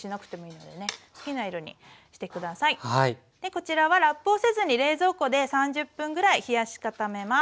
こちらはラップをせずに冷蔵庫で３０分ぐらい冷やし固めます。